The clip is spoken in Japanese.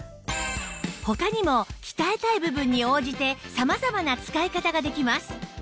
他にも鍛えたい部分に応じて様々な使い方ができます